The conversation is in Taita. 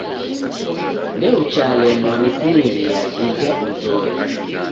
Ndeochalemwa ni kumeria jija uzoye.